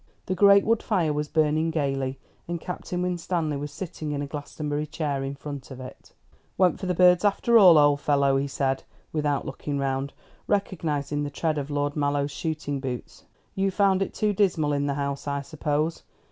The great wood fire was burning gaily, and Captain Winstanley was sitting in a Glastonbury chair in front of it. "Went for the birds after all, old fellow," he said, without looking round, recognising the tread of Lord Mallow's shooting boots. "You found it too dismal in the house, I suppose?